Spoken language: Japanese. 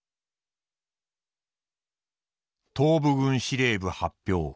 「東部軍司令部発表